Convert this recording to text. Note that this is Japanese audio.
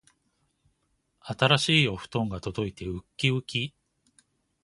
新しいお布団が届いてうっきうき